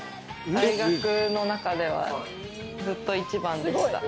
大学の中ではずっと１番でした。